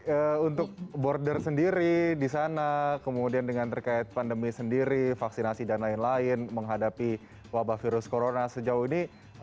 oke untuk border sendiri di sana kemudian dengan terkait pandemi sendiri vaksinasi dan lain lain menghadapi wabah virus corona sejauh ini